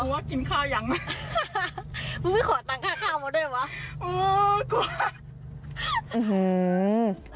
ถามกูว่ากินข้าวยังมึงไม่ขอตังค่าข้าวมาด้วยเหรอ